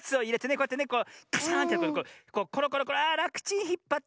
こうやってねこうカシャーンってコロコロコロあらくちんひっぱってねって。